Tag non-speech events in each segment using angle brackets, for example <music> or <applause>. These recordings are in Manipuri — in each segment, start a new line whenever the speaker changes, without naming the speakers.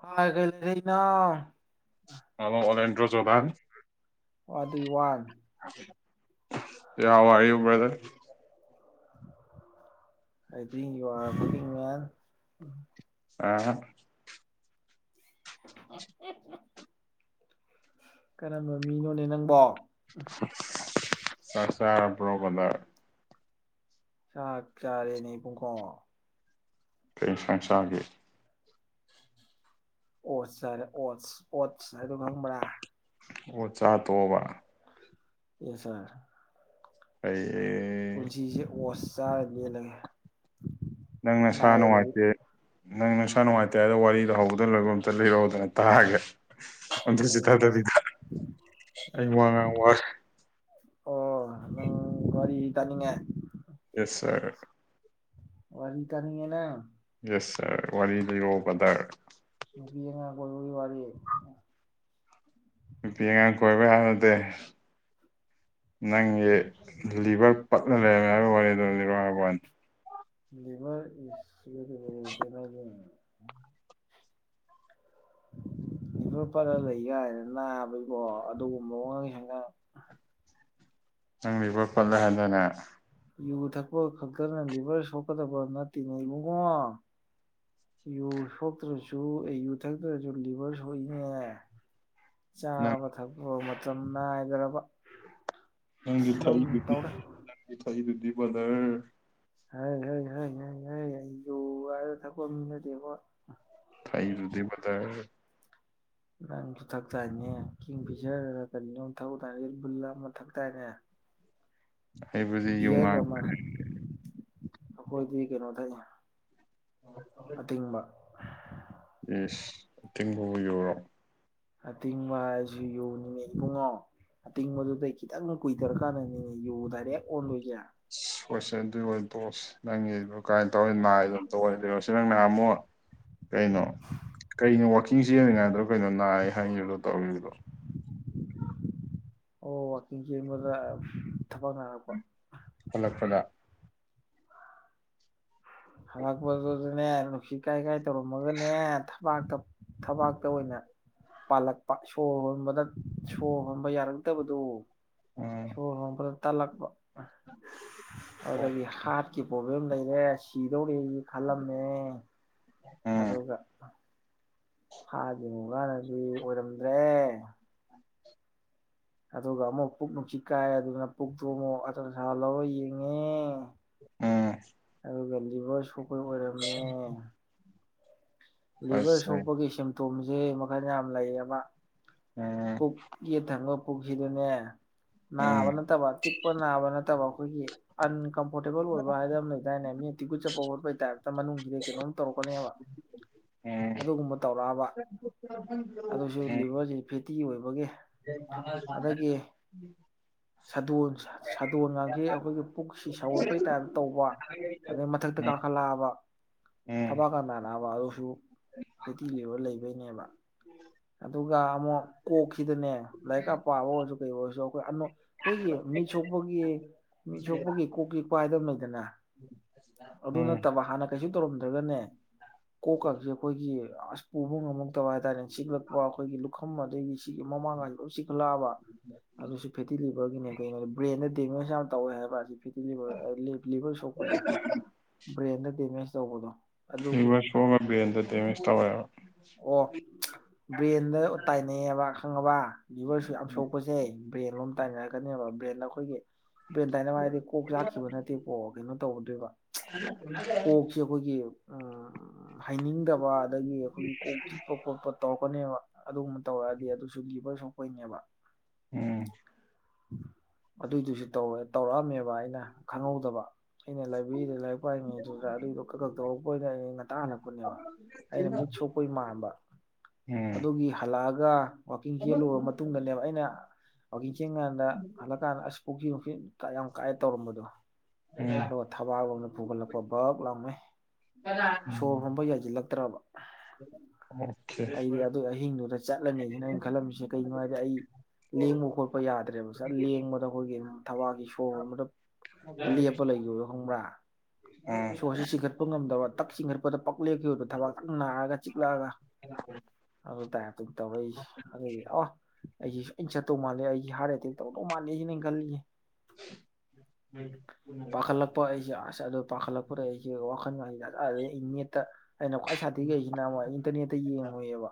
ꯍꯥꯏꯒꯔꯤꯅ
ꯣꯕꯥꯥꯟ
ꯑꯗꯨꯒꯤ ꯋꯥ
ꯑꯋꯥ ꯋꯥꯔꯤꯕꯔꯗ
ꯑꯩꯗꯤ ꯋꯥ ꯄꯨꯉ
ꯑ
ꯀꯔꯝꯕ ꯃꯤꯅꯣꯅꯦ ꯅꯪꯕꯣ
ꯑ ꯆꯥꯄ꯭ꯔꯣꯒꯗ
ꯆꯥꯛ ꯆꯥꯔꯦꯅꯦ ꯄꯨꯡꯈꯣꯣꯡ
ꯀꯩ ꯁꯪꯁꯥꯒꯤ
ꯑꯣꯠꯁꯔꯦ ꯑꯣꯠ ꯑꯣꯠꯁ ꯍꯥꯏꯗꯣ ꯈꯪꯕ꯭ꯔꯥ
ꯑꯣ ꯆꯥ ꯇꯕ
ꯌꯦꯁꯔ
ꯑꯩ
ꯄꯨꯟꯁꯤꯁꯦ ꯑꯣꯁ ꯆꯥꯔ ꯂꯦꯜꯂꯝꯃꯤ
ꯅꯪꯅ ꯁꯥ ꯅꯨꯡꯉꯥꯏꯇꯦ ꯅꯪ ꯅꯨꯡꯁꯥ ꯅꯨꯡꯉꯥꯏꯇꯦꯗ ꯋꯥꯔꯤꯗꯍꯧꯕꯗ ꯂꯣꯏꯕ ꯑꯝꯇ ꯂꯤꯔꯛꯎꯗꯅ ꯇꯥꯑꯒꯦ ꯑꯗꯨꯁꯨ
ꯀꯩꯅꯣ
ꯊꯥꯗꯕꯤꯗ ꯑꯩ
ꯍꯦꯟꯅ
ꯋꯥ ꯉꯥꯡ ꯋꯥꯔꯦ
ꯑꯣ ꯅ ꯋꯥꯔꯤꯔꯤ ꯀꯥꯅꯤꯡꯉ
ꯌꯦꯁ ꯁꯔ
ꯋꯥꯔꯤ ꯇꯅꯤꯡꯦ ꯅ
ꯔ ꯋꯥꯔꯤ ꯂꯩꯌꯣ ꯕꯗꯔ
ꯒꯤ ꯋꯥꯌꯦ
ꯅꯨꯄꯤ ꯑꯉꯥꯡ ꯀꯣꯏꯕ ꯌꯥꯔꯗꯦ ꯅꯪꯒꯤ ꯂꯤꯚꯔ ꯄꯠꯂ ꯂꯩꯔꯝꯃꯦ ꯍꯥꯏꯕ ꯋꯥꯔꯤꯗ ꯂꯤꯔ ꯍꯥꯏꯔꯕꯅꯤ
ꯂꯤꯚꯔ ꯏꯁ ꯁꯤꯁ ꯎꯝ ꯐꯔ ꯂꯩ ꯀꯥꯏꯅ ꯅꯥꯕꯩꯒꯤꯀꯣ ꯑꯗꯨꯒꯨꯝꯕꯑꯣ ꯍꯦꯟꯅ
ꯅꯪꯂꯤꯕꯣꯏ ꯐꯠꯂꯦ ꯍꯥꯏꯟꯗꯅ
ꯌꯨ ꯊꯛꯄ ꯈꯛꯇꯅ ꯂꯤꯚꯔ ꯁꯣꯛꯀꯗꯕ ꯅꯠꯇꯦꯅꯦ ꯏꯕꯨꯡꯉꯣ ꯌꯨ ꯁꯣꯛꯇ꯭ꯔꯁꯨ ꯑꯦ ꯌꯨ ꯊꯛꯇ꯭ꯔꯁꯨ ꯂꯤꯚꯔ ꯁꯣꯛꯏꯅꯦ
ꯅꯪ
ꯆꯥꯕ ꯊꯕ ꯑꯣ ꯃꯇꯝꯅ ꯍꯥꯏꯗ꯭ꯔꯕꯥ
ꯅꯪ ꯊꯕꯪ ꯊꯕ ꯕꯖꯔ
ꯍꯥꯏ ꯍ ꯍꯥꯏ ꯍꯥꯏ ꯍꯥꯏ ꯑꯩ ꯌꯨ ꯍꯥꯏꯔ ꯊꯛꯄ ꯃꯤ ꯅꯠꯇꯦꯀꯣ
ꯊꯥꯏꯁꯨꯗꯤꯤ ꯃꯊꯥꯏ
ꯅꯪꯁꯨ ꯊꯥꯛꯆꯥꯏꯅꯦ ꯐꯤꯁꯔ ꯀꯔꯤꯅꯣ ꯕꯨꯜ ꯑꯃ ꯊꯛ ꯆꯥꯏꯅꯦ
ꯍꯩꯕꯗꯤ
ꯚꯌꯔ
ꯌꯨꯉꯥꯡ
ꯑꯃ ꯑꯩꯈꯣꯏꯗꯤꯩꯅꯣ ꯊꯥꯏ ꯑꯇꯦꯡꯕ
ꯇꯤꯟꯕꯨ ꯌꯨꯔꯣ
ꯑꯇꯤꯡꯕ ꯍꯥꯏꯁꯤ ꯌꯨ ꯅꯤꯅꯦ ꯏ ꯄꯨꯡꯉꯣ ꯑꯇꯤꯡꯕꯗꯨꯗꯩ ꯈꯤꯇꯪ ꯀꯨꯏꯊꯔ ꯀꯥꯟꯗꯅꯤꯅꯦ ꯌꯨ ꯗꯥꯏꯔꯦꯛ ꯑꯣꯟꯗꯣꯏꯒꯦꯔ
ꯍꯣꯏꯁꯦ ꯑꯗꯨꯏ ꯑꯣꯏꯕꯣꯁ ꯅꯪ ꯌꯕ ꯀꯃꯥꯏꯅ ꯇꯧꯔꯤ ꯥꯏ ꯑꯗꯨꯝ ꯇ ꯁꯤ ꯃꯃꯣ ꯀꯩꯅꯣ ꯀꯩꯅꯣ ꯋꯥꯛꯀꯤꯡ ꯁꯤꯖꯤꯟꯅꯜꯂꯤꯉꯥꯏꯗꯣ ꯀꯩꯅꯣ ꯅꯥꯏꯦ ꯍꯥꯏꯅꯤꯗꯣ ꯇꯧꯗꯣ
ꯑꯣ ꯋꯥꯋꯀꯤꯡ ꯌꯦꯡꯕꯗ ꯊꯕꯛ ꯅꯥꯔꯛꯄ
ꯍꯜ ꯐꯅ
ꯍꯜꯂꯛꯄꯗꯨꯗꯅꯦ ꯅꯨꯡꯁꯤ ꯀꯥꯏ ꯀꯥꯏ ꯇꯧꯔꯝꯃꯒꯅꯦ ꯊꯕꯥꯛꯇ ꯊꯕꯥꯛꯇ ꯑꯣꯏꯅ ꯄꯥꯜꯂꯛꯄ ꯁꯣꯔ ꯍꯣꯟꯕꯗ ꯁꯣꯔ ꯍꯣꯟꯕ ꯌꯥꯔ, ꯛꯇꯕꯗꯨ
ꯎꯝ
ꯁꯣꯣꯔ ꯅꯝꯕꯔ ꯇꯜꯂꯛꯄ
ꯑꯣ
ꯑꯗꯨꯗꯒꯤ ꯍꯥꯔꯠꯀꯤ ꯄ꯭ꯔꯣꯕ꯭ꯂꯦꯝ ꯀꯔꯦ ꯆꯗꯣ ꯈꯜꯂꯝꯃꯦ
ꯎꯝ
ꯑꯗꯨꯒ ꯍꯥꯏꯗꯤ ꯃꯒꯥꯅꯗꯤ ꯑꯣꯏꯔꯝꯗ꯭ꯔꯦ ꯑꯗꯨꯒ ꯑꯃꯨꯛ ꯄꯨꯛ ꯅꯨꯡꯁꯤꯠ ꯀꯥꯏ ꯑꯗꯨꯅ ꯄꯨꯛꯇꯨ ꯑꯃꯨꯛ ꯑꯇꯁ ꯂꯧꯔ ꯌꯦꯡꯉꯦ
ꯑꯝ
ꯒꯦꯜꯂꯤꯕ ꯁꯨ ꯑꯈꯣꯏ ꯑꯣꯏꯔꯝꯃꯦ ꯂꯤꯚꯔ
ꯐꯖꯩ
ꯁꯣꯛꯄꯒꯤ ꯁꯦꯝ ꯇꯨꯝꯖꯦ ꯃꯈꯜ ꯌꯥꯝ ꯂꯩꯌꯦꯖ
ꯎꯝ
ꯄꯨꯛ ꯌꯦꯠ ꯊꯪꯕ ꯄꯨꯛꯁꯤꯗꯅꯦ ꯅꯥꯕ
ꯎꯝ
ꯅꯠꯇꯕ ꯆꯤꯛꯄ ꯅꯥꯕ ꯅꯠꯇꯕ ꯑꯩꯈꯣꯏꯒꯤ ꯑꯟ ꯀꯝꯐꯣꯔꯇꯦꯕꯜ ꯑꯣꯏꯕ ꯍꯥꯏꯗꯅ ꯑꯝ ꯂꯩꯗꯥꯏꯅꯦ ꯃꯤ ꯇꯤꯛꯒꯨꯠ ꯆꯠꯄ ꯈꯣꯠꯄꯒꯤ ꯇꯥꯏ꯭ꯞꯇ ꯃꯅꯨꯡꯁꯤꯗꯩ ꯀꯩꯅꯣꯝ ꯇꯧꯔꯛꯀꯅꯦꯕ
ꯎꯝ
ꯑꯗꯨꯒꯨꯝꯕ ꯇꯧꯔꯛꯑꯕ ꯑꯗꯨꯁꯨ
ꯎꯝ
ꯂꯤꯚꯔꯁꯤ ꯐꯦꯇꯤ ꯑꯣꯏꯕꯒꯤ ꯑꯗꯒꯤ ꯁꯥꯗꯣꯟ ꯁꯥꯗꯣꯟ ꯉꯪꯈꯩ ꯑꯩꯈꯣꯏꯒꯤ ꯄꯨꯛꯁꯤ ꯁꯧꯒꯠꯄꯩ ꯇꯥꯏꯞ ꯇꯧꯕ ꯑꯗꯩ ꯃꯊꯛꯇ ꯀꯥꯈꯠꯂꯛꯑꯕ
ꯎꯝ
ꯊꯕꯥꯛꯀꯥ ꯅꯥꯔꯕ ꯑꯗꯨꯁꯨ ꯐꯦꯇꯤ ꯂꯤꯕ ꯂꯩ ꯗꯩꯅꯦꯕ ꯑꯗꯨꯒ ꯑꯃꯨꯛ ꯀꯣꯛꯁꯤꯗꯅꯦ ꯂꯥꯏꯔꯤꯛꯀ ꯄꯥꯕ ꯑꯣꯏꯔꯁꯨ ꯀꯩ ꯑꯣꯏꯔꯁꯨ ꯑꯩꯈꯣꯏ ꯑꯅꯣꯛ ꯑꯩꯈꯣꯏꯒꯤ ꯃꯤꯠ ꯁꯣꯛꯄꯒꯤ ꯃꯤꯠ ꯁꯣꯛꯄꯒꯤ ꯀꯣꯛ ꯆꯤꯛꯄꯥ ꯑꯗꯨꯃꯗꯅ ꯑꯗꯨ
ꯎꯝ
ꯅꯠꯇꯕ ꯍꯥꯟꯅ ꯀꯩꯁꯨ ꯇꯧꯔꯝꯗ꯭ꯔꯒꯅꯦ ꯀꯣꯛ ꯀꯥꯁꯦ ꯑꯩꯈꯣꯏꯒꯤ ꯑꯁ ꯄꯨꯕ ꯉꯝꯃꯛꯇꯕ ꯍꯥꯏꯇꯥꯔꯦ ꯆꯤꯛꯂꯛꯄ ꯑꯩꯈꯣꯏꯒꯤ ꯂꯨꯈꯝ ꯑꯗꯒꯤ ꯁꯤꯒꯤ ꯃꯃꯥꯡ ꯀꯥꯏꯁꯦ ꯂꯣꯏ ꯆꯤꯈꯠꯂꯛꯑꯕ ꯑꯗꯨꯁꯨ ꯐꯦꯇꯤ ꯂꯤꯚꯔꯒꯤꯅꯦ ꯀꯩꯅꯣꯗ ꯕ꯭ꯔꯦꯟꯗ ꯇꯤꯟꯑꯦꯁ ꯌꯥꯝ ꯇꯧꯋꯦ ꯍꯥꯏꯕ ꯑꯁꯤ ꯂꯤꯚꯔ ꯑ ꯂꯤ ꯂꯤꯚꯔ ꯁꯣꯛꯄꯁꯦ ꯕ꯭ꯔꯦꯟꯗ ꯗꯦꯃꯦꯖ ꯇꯧꯕꯗꯣ ꯑꯗꯨꯒꯤ
ꯔꯤꯚꯔꯁ ꯁꯣꯛꯑꯒ ꯕ꯭ꯔꯦꯟꯗ ꯗꯦꯃꯦꯖ ꯇꯧꯋꯦꯕ
ꯑꯣ ꯆ ꯕ꯭ꯔꯦꯟꯗ ꯇꯥꯏ ꯅꯩꯑꯦꯕ ꯈꯪꯉꯕ ꯂꯤꯚꯔꯁꯤ ꯌꯥꯝ ꯁꯣꯛꯄꯁꯦ ꯕ꯭ꯔꯦꯟ ꯂꯣꯝ ꯇꯥꯏꯅꯔꯛꯀꯅꯦꯕ ꯕ꯭ꯔꯦꯟꯗ ꯑꯩꯈꯣꯏꯒꯤ ꯕ꯭ꯔꯦꯟꯇꯥꯏꯅꯕ ꯍꯥꯏꯔꯗꯤ ꯀꯣꯛ ꯆꯥꯛꯈꯤꯕ ꯅꯠꯇꯦꯀꯣ ꯀꯩꯅꯣ ꯇꯧꯒꯗꯣꯏꯕ ꯆ ꯀꯣꯛꯁꯤ ꯑꯩꯈꯣꯏꯒꯤ ꯍꯩꯅꯤꯡꯗꯕ ꯑꯗꯒꯤ ꯑꯩꯈꯣꯏꯒꯤ ꯀꯣꯛ ꯆꯤꯛꯄ ꯈꯣꯠꯄ ꯇꯧꯔꯛꯀꯅꯦꯕ ꯑꯗꯨꯒꯨꯝꯕ ꯇꯧꯔꯛꯑꯗꯤ ꯑꯗꯨꯁꯨ ꯂꯤꯚꯔ ꯁꯣꯛꯄꯩꯅꯦꯕ
ꯎꯝ
ꯑꯗꯨꯏꯗꯨꯁꯨ ꯇꯧꯋꯦ ꯇꯧꯔꯛꯑꯝꯃꯦꯕ ꯑꯩꯅ ꯈꯪꯍꯧꯗꯕ ꯑꯩꯅ ꯂꯥꯏꯕ꯭ꯔꯤꯗ ꯂꯥꯏꯔꯤꯛ ꯄꯥꯏꯉꯩꯗꯨꯗ ꯑꯗꯨꯏꯗꯣ ꯈ ꯈ ꯇꯧꯔꯛꯄ ꯑꯣꯏꯖꯥꯠꯅꯤꯗ ꯑꯩꯅ ꯃꯤꯠ ꯁꯣꯛꯄꯒꯤ ꯃꯥꯟꯕ
ꯎꯝ
ꯑꯗꯨꯒꯤ ꯍꯜꯂꯑꯒ ꯋꯥ ꯋꯥꯛꯀꯤꯡ ꯆꯦꯜꯂꯨꯔꯕ ꯃꯇꯨꯡꯗꯅꯦꯕ ꯑꯩꯅ ꯋꯥꯛꯀꯤꯡ ꯆꯦꯟ ꯀꯥꯟꯗ ꯍꯜꯂꯛꯀꯥꯟꯗ ꯑꯁ <inaudible> ꯌꯥꯝ ꯀꯥꯏꯑꯦ ꯇꯧꯔꯝꯕꯗꯣ
ꯎꯝ
ꯑꯗꯣ ꯊꯕꯥꯒꯨꯝꯅ ꯄꯨꯍꯜꯂꯛꯄ ꯕꯛ ꯂꯥꯎꯃꯦ
ꯀꯅꯥ
ꯍꯣꯏ ꯌꯥꯖꯤꯜꯂꯛꯇ꯭ꯔꯕ
ꯑꯣꯀꯦ
ꯑꯩꯗꯤ ꯑꯗꯨ ꯑꯍꯤꯡꯗꯨꯗ ꯆꯠꯂꯅꯤꯁꯤꯅ ꯑꯩꯅ ꯈꯜꯂꯝꯃꯤꯁꯦ ꯀꯩꯒꯤꯅꯣ ꯍꯥꯏꯗꯤ ꯑꯩ ꯂꯦꯡꯕ ꯈꯣꯠꯄ ꯌꯥꯗ꯭ꯔꯦꯕ ꯁꯠ ꯂꯦꯡꯕꯗ ꯑꯩꯈꯣꯏꯒꯤ ꯊꯋꯥꯒꯤ ꯁꯣꯔ ꯍꯣꯟꯕꯗ ꯂꯦꯞꯄ ꯂꯩꯒꯤꯕꯗꯣ ꯈꯪꯕ꯭ꯔꯥ ꯁꯣꯔꯁꯤ ꯆꯤꯡꯈꯠꯄ ꯉꯝꯗꯕ ꯇꯛ <inaudible> ꯗ ꯄꯛꯂꯦꯞꯈꯤꯕꯗꯣ ꯊꯕꯥꯛ ꯅꯥꯔꯒ ꯆꯤꯛꯂꯛꯑꯒ ꯑꯗꯨ ꯇꯥꯏꯞꯇ ꯇꯧꯔꯛꯏꯁꯦ ꯑꯗꯨꯒꯤ ꯑꯣ ꯑꯩꯖꯤ ꯁꯣꯏꯅ ꯆꯠꯇꯧ ꯃꯥꯜꯂꯦ ꯑꯩꯒꯤ ꯍꯥꯔꯠ ꯑꯦꯇꯦꯛ ꯇꯧꯗꯧ ꯃꯥꯜꯂꯦꯁꯤꯅꯦꯅ ꯑꯩꯅ ꯈꯜꯂꯤꯖꯦ ꯄꯥꯈꯜꯂꯛꯄ ꯍꯥꯏꯁꯤ ꯑꯁ ꯑꯗꯨ ꯄꯈꯜꯂꯛꯄꯗꯩ ꯑꯩꯖꯤ ꯋꯥꯈꯜꯒꯥꯁꯦ ꯀꯥꯏꯗꯒꯤ ꯇ ꯑꯩꯅ ꯈ꯭ꯋꯥꯏ ꯁꯥꯊꯤꯒꯤꯁꯤꯅ ꯑꯃꯨꯛ ꯏꯟꯇꯔꯅꯦꯠꯇ ꯌꯦꯡꯉꯨꯏꯕ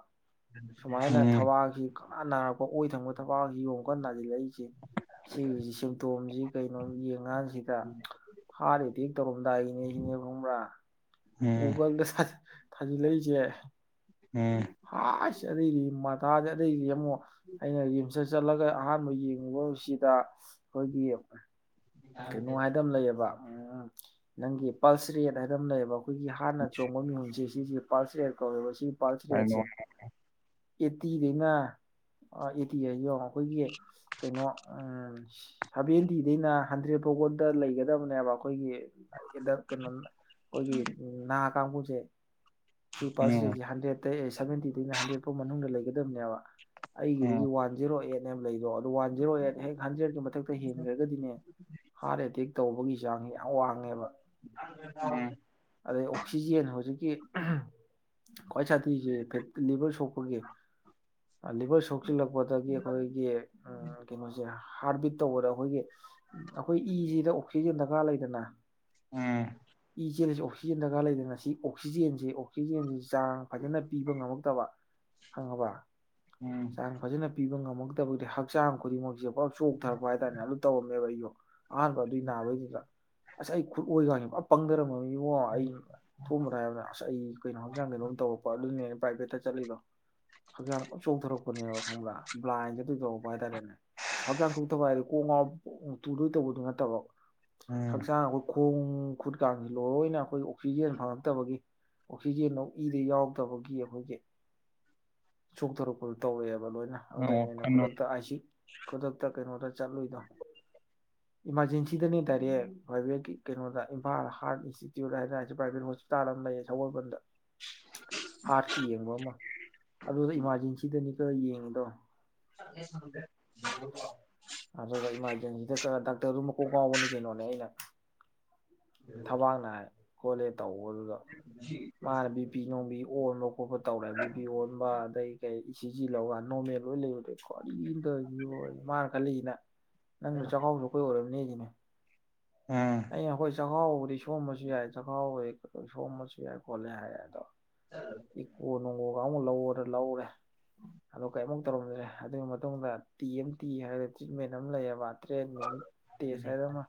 ꯁꯨꯃꯥꯏꯅ ꯊꯕꯥꯛꯁꯤ ꯈꯡꯅꯥ ꯅꯥꯔꯛꯄ ꯑꯣꯏ ꯊꯪꯕꯗ ꯃꯥꯒꯤ ꯌꯦꯡꯀꯥꯟ ꯅꯥꯁꯤꯜꯂꯛꯏꯁꯦ ꯁꯤꯒꯤ ꯁꯤꯝꯇꯣꯝꯁꯤ ꯀꯩꯅꯣ ꯌꯦꯡ ꯀꯥꯟꯁꯤꯗ ꯍꯥꯔꯠ ꯑꯦꯇꯦꯛ ꯇꯧꯔꯝꯗꯥꯏꯅꯤ <unintelligible> ꯒꯨꯒꯜꯗ ꯊꯥꯖꯤꯜꯂꯛꯏꯁꯦ ꯍꯥꯏꯁ ꯑꯩꯗꯤ ꯃꯊꯥꯖꯦ ꯑꯇꯩꯩꯗꯤ ꯑꯃꯨꯛ <unintelligible> ꯆꯠꯂꯒ ꯑꯍꯥꯟꯕ ꯌꯦꯡꯉꯨꯕꯁꯤꯗ ꯑꯩꯈꯣꯏꯒꯤ ꯀꯩꯅꯣ ꯍꯥꯏꯗꯝ ꯂꯩꯌꯦꯕ <unintelligible> ꯅꯪꯒꯤ ꯄꯜꯁ꯭ꯔꯤ <inaudible> <unintelligible> ꯑꯩꯈꯣꯏꯒꯤ ꯍꯥꯔꯠꯅ ꯆꯣꯡꯕ ꯃꯤꯍꯨꯟꯁꯦ ꯁꯤꯖꯨ ꯄꯜꯁꯔꯦ ꯀꯧꯌꯦꯕ ꯁꯤ ꯄꯜꯁ ꯔꯦꯠꯁꯦ
<unintelligible>
ꯑꯦꯠꯇꯤꯗꯩꯅ ꯑꯦꯠꯇꯤ ꯍꯥꯏ ꯌꯦꯡꯉꯣ ꯑꯩꯈꯣꯏꯒꯤ ꯀꯩꯅꯣ ꯁꯚꯦꯟꯇꯤꯗꯩꯅ ꯍꯟꯗ꯭ꯔꯦꯠ ꯐꯥꯎꯕꯗ ꯂꯩꯒꯗꯕꯅꯦꯕ ꯑꯩꯈꯣꯏꯒꯤ ꯀꯩꯅꯣ ꯑꯩꯈꯣꯏꯒꯤ ꯅꯥ ꯀꯥꯡꯕꯨꯨꯖꯦ ꯁꯤ ꯄꯥꯁ ꯔꯦꯠꯁꯤ ꯍꯟꯗ꯭ꯔꯦꯠ ꯑꯇꯩ ꯑꯩ ꯁꯚꯦꯟꯇꯤꯗꯩꯅ ꯍꯟꯗ꯭ꯔꯦꯠ ꯐꯥꯎ ꯃꯅꯨꯡꯗ ꯂꯩꯒꯗꯕꯅꯦꯕ ꯑꯩꯒꯤꯗꯨꯗꯤ ꯋꯥꯟ ꯖꯦꯔꯣ ꯑꯦꯠꯅꯦꯕ ꯂꯩꯗꯣ ꯋꯥꯟ ꯖꯦꯔꯣ ꯑꯦꯠ ꯍꯦꯛ ꯍꯟꯗ꯭ꯔꯦꯠꯀꯤ ꯃꯊꯛꯇ ꯍꯦꯟꯈ꯭ꯔꯒꯗꯤꯅꯦ ꯍꯥꯔꯠ ꯑꯦꯇꯦꯛ ꯇꯧꯕꯒꯤ ꯆꯥꯡꯁꯦ ꯌꯥꯝ ꯋꯥꯡꯉꯦꯕ ꯑꯗꯩ ꯑꯣꯛꯁꯤꯖꯦꯟ ꯍꯧꯖꯤꯛ ꯀꯤ ꯎꯍꯝ ꯈ꯭ꯋꯥꯏ ꯁꯥꯊꯤ ꯍꯨꯒꯦ ꯂꯤꯚꯔ ꯁꯣꯛꯆꯤꯜꯂꯛꯄꯗꯒꯤ ꯑꯩꯈꯣꯏꯒꯤ ꯎꯝ ꯀꯩꯅꯣꯁꯦ ꯍꯥꯔꯠ ꯕꯤꯠ ꯇꯧꯕꯗ ꯑꯩꯈꯣꯏꯒꯤ ꯁꯤ- ꯑꯩꯈꯣꯏ ꯏꯁꯤꯗ ꯑꯣꯛꯁꯤꯖꯦꯟ ꯗꯔꯀꯥꯔ ꯂꯩꯗꯅ
ꯎꯝ
ꯏ ꯆꯦꯜꯂꯤꯁꯦ ꯑꯣꯛꯁꯤꯖꯦꯟ ꯗꯔꯀꯥꯔ ꯂꯩꯗꯅ ꯁꯤ ꯑꯣꯛꯁꯤꯖꯦꯟꯁꯦ ꯑꯣ ꯑꯣꯛꯁꯤꯖꯦꯟꯖꯦ ꯆꯥꯡ ꯐꯖꯅ ꯄꯤꯕ ꯉꯝꯃꯛꯇꯕ ꯈꯪꯉꯕꯥ ꯆꯥꯡ ꯐꯖꯅ ꯄꯤꯕ ꯉꯝ ꯃꯣꯡꯉꯛꯇꯕꯨꯗꯤ ꯍꯛꯆꯥꯡ ꯈꯨꯗꯤꯡꯃꯛꯁꯦ ꯄꯨꯂꯞ ꯆꯣꯛ ꯊꯥꯛꯄ ꯍꯥꯏꯇꯥꯥꯔꯦ ꯑꯗꯨ ꯇꯧꯔꯝꯃꯦꯕ ꯑꯩꯖꯨ ꯑꯍꯥꯟꯕ ꯑꯗꯨꯏ ꯅꯥꯕꯩꯗꯨꯗ ꯑꯁ ꯑꯩ ꯈꯨꯠ ꯑꯣꯏꯒꯥꯁꯦ ꯄꯨꯔꯥ ꯄꯪꯗꯔꯝꯃꯕꯅꯤ ꯏꯉꯣ ꯑꯩ ꯊꯣꯝꯕꯗꯥ ꯍꯥꯏꯕꯗ ꯑꯁ ꯑꯩ ꯀꯩꯅꯣ ꯍꯛꯆꯥꯡ ꯀꯩꯅꯣꯝ ꯇꯧꯔꯛ ꯑꯗꯨꯏꯅꯦ ꯑꯩꯅ ꯄ꯭ꯔꯥꯏꯚꯦꯠꯇ ꯆꯠꯂꯤꯗꯣ ꯍꯛꯆꯥꯡ ꯄꯨꯂꯞ ꯆꯣꯛꯊꯔꯛꯄꯅꯦꯕ ꯈꯪꯕ꯭ꯔꯥ ꯕ꯭ꯂꯥꯏꯟ ꯆꯠꯀꯦ ꯇꯧꯔꯛꯄ ꯍꯥꯏꯇꯥꯔꯦꯅꯦ ꯍꯛꯆꯥꯡ ꯆꯣꯛꯊꯕ ꯍꯥꯏꯗꯤ ꯀꯣꯛ ꯉꯥꯎꯕꯤ ꯎ ꯎꯝ ꯇꯨꯗꯣꯏ ꯇꯧꯕꯗꯨ ꯅꯠꯇꯕ ꯍꯛꯆꯥꯡ ꯑꯩꯈꯣꯏ ꯈꯣꯡ ꯈꯨꯠ ꯀꯥꯡꯁꯤ ꯂꯣꯏꯅ ꯑꯩꯈꯣꯏꯒꯤ ꯑꯣꯛꯁꯤꯖꯦꯟ ꯐꯪꯉꯛꯇꯕꯒꯤ ꯑꯣꯛꯁꯤꯖꯦꯟꯗ ꯏꯗ ꯌꯥꯎ ꯇꯕꯒꯤ ꯑꯩꯈꯣꯏꯒꯤ ꯆꯣꯛꯊꯔꯛꯄꯗꯨ ꯇꯧꯋꯦꯕ ꯄ ꯂꯣꯏꯅ ꯑꯗꯨꯗ ꯑꯩꯅ ꯑꯩꯅ ꯈꯨꯗꯛꯇ ꯐꯥꯏ ꯁꯤ ꯈꯨꯗꯛꯇ ꯀꯩꯅꯣꯗ ꯆꯠꯂꯨꯏꯗꯣ ꯏꯃꯥꯔꯖꯦꯟꯁꯤꯗꯅꯦ ꯗꯥꯏꯔꯦꯛ ꯄ꯭ꯔꯥꯏꯚꯦꯠꯀꯤ ꯀꯩꯅꯣꯗ ꯏꯝꯐꯥꯜ ꯍꯥꯔꯠ ꯏꯟꯁꯇꯤꯇ꯭ꯌꯨꯠ ꯍꯥꯏꯗꯅ ꯑꯁꯤ ꯄ꯭ꯔꯥꯏꯚꯦꯠ ꯍꯣꯁꯄꯤꯇꯥꯜ ꯑꯃ ꯂꯩꯌꯦ ꯁꯒꯣꯜꯕꯟꯗ ꯍꯥꯔꯠꯀꯤ ꯌꯦꯡꯕ ꯑꯃ ꯑꯗꯨꯗ ꯏꯃꯥꯔꯖꯦꯟꯁꯤꯗꯅꯤ ꯀꯛꯑ ꯌꯦꯡꯉꯤꯗꯣ ꯑꯗꯨꯒ ꯏꯃꯥꯔꯖꯦꯟꯁꯤꯗ ꯀꯛꯑ ꯗꯛ ꯇꯔꯗꯨ ꯃꯀꯣꯛ ꯉꯥꯎꯕꯅꯤ ꯀꯩꯅꯣꯅꯦ ꯑꯩꯅ ꯊꯕꯥꯛ ꯅꯥꯏ ꯈꯣꯠꯂꯦ ꯇꯧ ꯋꯥꯜꯗꯨꯗ ꯃꯥꯅ ꯕꯤ ꯊꯣꯡꯕꯤꯖꯤ ꯑꯣꯟꯕ ꯈꯣꯠꯄ ꯇꯧꯔꯦ ꯕꯤ ꯄꯤ ꯑꯣꯟꯕ ꯑꯗꯩ ꯀꯩ ꯏ ꯁꯤ ꯖꯤ ꯂꯧꯕ ꯅꯣꯔꯃꯦꯜ ꯂꯣꯏ ꯂꯩꯕꯗꯣ ꯀꯔꯤꯅꯣ ꯇꯧꯔꯤꯖꯤꯕꯣꯅꯥ ꯃꯥꯅ ꯈꯜꯂꯤꯖꯤꯅ ꯅꯪ ꯗꯨ ꯆꯈꯥꯎ ꯁꯣꯛꯄꯩ ꯑꯣꯏꯔꯝꯅꯤ ꯂꯩꯒꯦꯃꯦ <unintelligible>
ꯎꯝ
ꯆꯛꯈꯥꯎꯕꯨꯗꯤ ꯁꯣꯛꯑꯝꯕꯁꯨ ꯌꯥꯏ ꯆꯛꯈꯥꯎꯕꯨ ꯈꯤꯇꯪ ꯁꯣꯛꯑꯝꯕꯁꯨ ꯌꯥꯏ ꯈꯣꯠꯂꯦ ꯍꯥꯏꯔꯦ ꯑꯗꯣ ꯏ ꯀꯣ ꯅꯣꯡꯒꯨꯒ ꯑꯃꯨꯛ ꯂꯧꯔ ꯂꯧꯔꯦ ꯑꯗꯨ ꯀꯔꯤꯃꯨꯛ ꯇꯧꯔꯝꯗ꯭ꯔꯦ ꯑꯗꯨꯒꯤ ꯃꯇꯨꯡꯗ ꯇꯤ ꯑꯦꯝ ꯇꯤ ꯍꯥꯏꯕ ꯇ꯭ꯔꯤꯠꯃꯦꯟ ꯑꯃ ꯂꯩꯔꯕ ꯇ꯭ꯔꯦꯟꯠ ꯃꯤꯅꯤꯠ ꯇꯦꯖ ꯍꯥꯏꯕ ꯑꯃ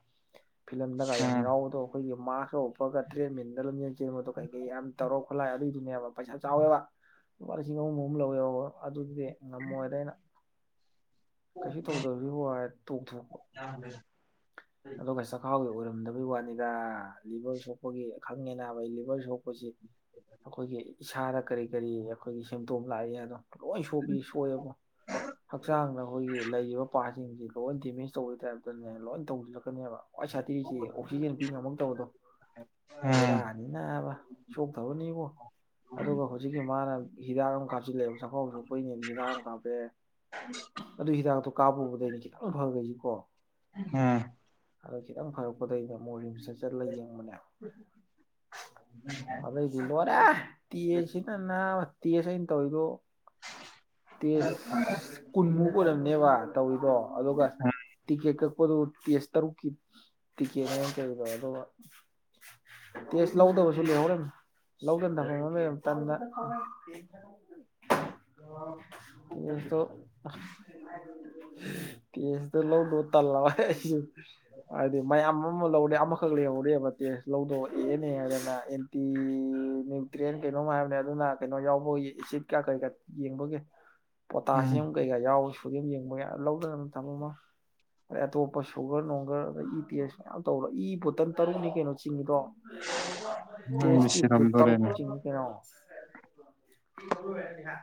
ꯐꯤꯂꯝꯗꯒ ꯌꯥꯝ ꯌꯥꯎꯕꯗꯣ ꯑꯩꯈꯣꯏꯒꯤ ꯃꯥꯛꯁꯀ ꯎꯞꯄꯒ ꯇ꯭ꯔꯦꯠꯃꯤꯟꯗ ꯂꯝꯖꯦꯜ ꯆꯦꯟꯕꯗꯣ ꯀꯩ ꯀꯩ ꯌꯥꯝ ꯈꯨꯠꯂꯥꯏ ꯑꯗꯨꯏꯗꯨꯅꯦꯕ ꯄꯩꯁꯥ ꯆꯥꯎꯋꯦꯕ ꯂꯨꯄꯥ ꯂꯤꯁꯤꯡ ꯑꯍꯨꯝ ꯑꯍꯨꯝ ꯂꯧꯋꯦꯕ ꯑꯗꯨꯗꯤ ꯉꯝꯃꯣꯏꯗ ꯑꯩꯅ ꯀꯩꯁꯨ ꯇꯧꯗꯕꯁꯤꯕꯣ ꯍꯥꯏ ꯇꯧꯊꯣꯛ
ꯅꯥꯜꯂꯦꯍꯦ <unintelligible>
ꯑꯗꯨꯒ ꯆꯈꯥꯎꯒꯤ ꯑꯣꯏꯔꯝ ꯔꯝꯗꯕꯩ ꯋꯥꯅꯤꯗ ꯂꯤꯕꯔ ꯁꯣꯛꯄꯒꯤ ꯈꯪꯉꯦ ꯅꯥꯕ ꯑꯩ ꯂꯤꯚꯔ ꯁꯣꯛꯄꯁꯤ ꯑꯩꯈꯣꯏꯒꯤ ꯏꯁꯥꯗ ꯀꯔꯤ ꯀꯔꯤ ꯑꯩꯈꯣꯏꯒꯤ ꯁꯤꯝꯇꯣꯝ ꯂꯥꯛꯏ ꯑꯗꯣ ꯂꯣꯏ ꯁꯣꯛꯄꯤ ꯁꯣꯛꯑꯦꯕꯣ ꯍꯛꯆꯥꯡꯗ ꯑꯩꯈꯣꯏꯒꯤ ꯂꯩꯔꯤꯕ ꯄꯥꯔꯠ ꯁꯤꯡꯁꯤ ꯂꯣꯏ ꯗꯦꯃꯦꯖ ꯇꯧꯕꯒꯤ ꯇꯥꯏꯞꯇꯅꯦ ꯂꯣꯏ ꯇꯧꯖꯤꯔꯛ ꯀꯅꯦꯕ ꯈ꯭ꯋꯥꯏ ꯁꯥꯊꯤꯔꯤꯁꯤ ꯑꯣꯛꯁꯤꯖꯦꯟ ꯄꯤ ꯉꯝꯃꯛꯇꯕꯗꯣ ꯕꯦꯔꯥꯅꯤ ꯅꯥꯕ ꯆꯣꯛꯊꯕꯅꯤꯕꯣ ꯑꯗꯨꯒ ꯍꯧꯖꯤꯛꯀꯤ ꯃꯥꯅ ꯍꯤꯗꯥꯛ ꯑꯃ ꯀꯥꯞꯆꯤꯜꯂꯦꯕ ꯆꯥꯛꯈꯥꯎ ꯁꯣꯛ ꯑꯩꯈꯣꯏꯅꯦ ꯍꯤꯗꯥꯛ ꯑꯃ ꯀꯥꯞꯄꯦ ꯑꯗꯨ ꯍꯤꯗꯥꯛꯇꯣ ꯀꯥꯞꯄꯨꯕꯗꯩꯅꯤ ꯈꯤꯇꯪ ꯐꯈꯔ꯭ꯤ ꯁꯤ ꯀꯣ
ꯎꯝ
ꯑꯗꯣ ꯈꯤꯇꯪ ꯐꯔꯛꯄꯗꯩ ꯃꯨꯛ ꯑꯃꯨꯛ ꯔꯤꯝꯁꯇ ꯆꯠꯂ ꯌꯦꯡꯕꯅꯦ ꯑꯗꯩꯗꯤ ꯂꯣꯏꯔꯦ ꯇꯦꯁ ꯁꯤꯅ ꯅꯥꯕ ꯇꯦꯁ ꯑꯩꯅ ꯇꯧꯔꯤꯗꯣ ꯇꯦꯁ- ꯀꯨꯟꯃꯨꯛ ꯑꯣꯏꯔꯝꯅꯦꯕ ꯇꯧꯔꯤꯗꯣ ꯑꯗꯨꯒ ꯇꯤꯛꯀꯦꯠ ꯀꯛ ꯄꯗꯨꯕꯨ ꯇꯦꯁ ꯇꯔꯨꯛꯀꯤ ꯇꯤꯀꯦꯠꯅꯦ ꯑꯩꯅ ꯀꯛꯏꯗꯣ ꯑꯗꯨꯒ <unintelligible> ꯇꯦꯁ ꯂꯧꯗꯕꯁꯨ ꯂꯩꯍꯧꯔꯤꯝꯅꯤ ꯂꯧꯗꯟꯗ ꯍꯪꯉ ꯂꯩꯔꯃꯤ ꯇꯟꯗ <unintelligible> ꯇꯣ <unintelligible> ꯀꯦꯁꯇ ꯂꯧꯗꯣ ꯇꯜꯂꯕ <unintelligible> ꯍꯥꯏꯗꯤ ꯃꯌꯥꯝ ꯑꯃ ꯂꯧꯔꯦ ꯑꯝ ꯃꯈꯛ ꯂꯩꯍꯧꯔꯤꯕ ꯇꯦꯁ ꯂꯧꯗꯣ ꯑꯦ ꯑꯦꯟ ꯑꯦ ꯍꯥꯏꯗꯅ ꯑꯦꯟꯇꯤ ꯅ꯭ꯌꯨꯇ꯭ꯔꯦꯟ ꯀꯩꯅꯣꯝ ꯍꯥꯏꯕꯅꯦ ꯑꯗꯨꯅ ꯀꯩꯅꯣ ꯌꯥꯎꯕꯒꯤ ꯑꯦꯁꯤꯠ ꯀꯥ ꯀꯔꯤ ꯀꯥ ꯌꯦꯡꯕꯒꯤ ꯄꯣꯇꯥꯁꯤꯌꯝ ꯀꯩ ꯀꯥ ꯌꯥꯎꯕꯒꯤ ꯄꯛꯌꯦꯡ ꯌꯦꯡꯕꯒꯤ ꯌꯥ ꯂꯧꯗꯅ ꯑꯗꯨꯝ ꯊꯝꯃꯝꯃꯣ ꯑꯗꯩ ꯑꯇꯣꯞꯄ ꯄ ꯁꯨꯒꯔ ꯅꯨꯡꯒꯔ ꯑꯗꯩ ꯏ ꯇꯦꯁ ꯃꯌꯥꯝ ꯇꯧꯔ ꯏ ꯕꯣꯠ ꯇꯟ ꯇꯔꯨꯛꯅꯤ ꯀꯩꯅꯣ ꯆꯤꯡꯉꯤꯗꯣ
ꯅꯪꯗꯤ
ꯇꯦꯁꯇ꯭ꯌꯨꯕ ꯇꯣ ꯇꯔꯨꯛ
ꯁꯤꯔꯝꯗꯣꯔꯦꯅꯦ
ꯆꯤꯡꯉꯤ ꯀꯩꯅꯣ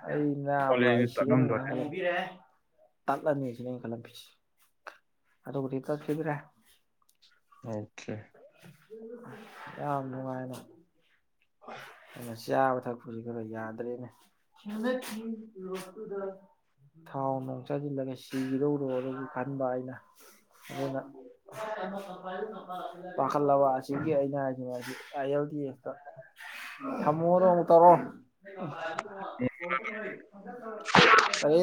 ꯑꯩ ꯅꯥꯕ
ꯑꯣꯂꯦꯅ
ꯑꯩ ꯁꯤꯒꯩꯅꯤ
ꯇꯠꯂꯝꯗꯣꯔꯦ
ꯅꯥꯕ ꯇꯠꯂꯅꯤ ꯁꯤꯅꯤ ꯑꯩꯅ ꯈꯜꯂꯝꯃꯤꯁꯤ ꯑꯗꯨꯕꯨꯗꯤ ꯆꯠꯈꯤꯗ꯭ꯔꯦ
ꯑꯣꯀꯦ
ꯌꯥꯝ ꯅꯨꯡꯉꯥꯏꯅ ꯑꯩ ꯉꯁꯤ ꯆꯥꯕ ꯊꯛꯄꯁꯤ ꯈꯔ ꯌꯥꯗ꯭ꯔꯦꯅꯦ ꯍꯟꯗꯛꯀꯤ ꯏ꯭ꯌꯨꯔꯣꯞꯇꯨꯗ ꯊꯥꯎ ꯅꯣꯡ ꯆꯥꯁꯤꯜꯂꯒ ꯁꯤꯒꯤꯗꯧꯔꯣꯅꯁꯨ ꯈꯟꯕ ꯑꯩꯅ ꯑꯗꯨꯅ ꯄꯥꯈꯠꯂꯕ ꯑꯁꯤꯒꯤ ꯑꯩꯅ ꯍꯥꯏꯁꯤꯅꯤ ꯑꯁꯤ ꯑꯥꯏ ꯑꯦꯜ ꯇꯤ ꯑꯦꯁꯇ ꯊꯝꯃꯣ ꯍꯣꯔꯦꯟ ꯑꯃꯨꯛ ꯇꯧꯔꯛꯑꯣ ꯀꯔꯤ